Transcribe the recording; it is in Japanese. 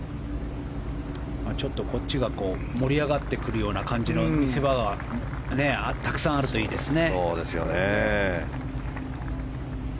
こっちが盛り上がってくるような感じの見せ場はたくさんあるといいですね。